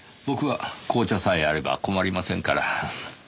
僕は紅茶さえあれば困りませんから。